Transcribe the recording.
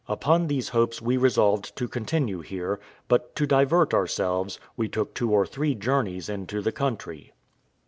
Upon these hopes we resolved to continue here; but, to divert ourselves, we took two or three journeys into the country.